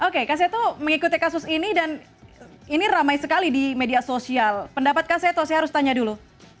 oke kak seto mengikuti kasus ini dan ini ramai sekali di media sosial pendapat kak seto saya harus tanya dulu